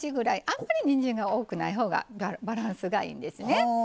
あんまりにんじんが多くないほうがバランスがいいんですね。